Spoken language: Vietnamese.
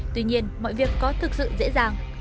tuy nhiên mọi việc có thực sự dễ dàng